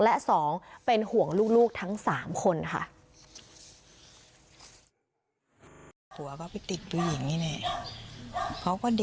และ๒เป็นห่วงลูกทั้ง๓คนค่ะ